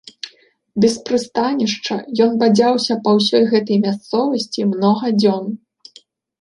Без прыстанішча ён бадзяўся па ўсёй гэтай мясцовасці многа дзён.